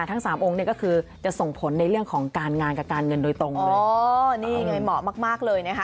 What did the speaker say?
ทั้งสามองค์เนี่ยก็คือจะส่งผลในเรื่องของการงานกับการเงินโดยตรงเลยอ๋อนี่ไงเหมาะมากมากเลยนะคะ